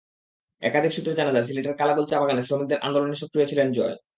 একাধিক সূত্রে জানা যায়, সিলেটের কালাগুল চা-বাগানে শ্রমিকদের আন্দোলনে সক্রিয় ছিলেন জয়।